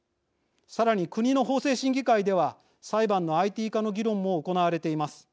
さらに国の法制審議会では裁判のＩＴ化の議論も行われています。